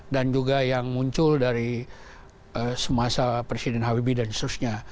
dan juga yang muncul dari semasa presiden hwb dan seterusnya